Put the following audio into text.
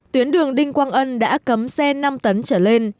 tuyến đường đinh quang ân đã cấm xe năm tấn trở lên